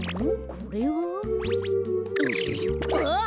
これは？あっ！